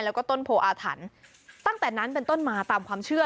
แล้วก็ต้นโพออาถรรพ์ตั้งแต่นั้นเป็นต้นมาตามความเชื่อ